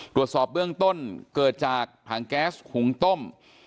ตรวจสอบเบื้องต้นเกิดจากถังแก๊สหุงต้ม